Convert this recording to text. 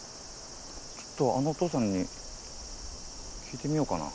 ちょっとあのおとうさんに聞いてみようかな。